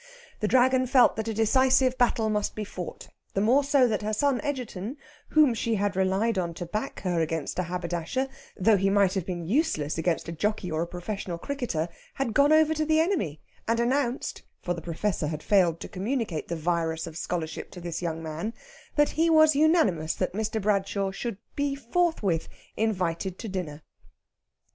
The Dragon felt that a decisive battle must be fought; the more so that her son Egerton, whom she had relied on to back her against a haberdasher, though he might have been useless against a jockey or a professional cricketer, had gone over to the enemy, and announced (for the Professor had failed to communicate the virus of scholarship to this young man) that he was unanimous that Mr. Bradshaw should be forthwith invited to dinner.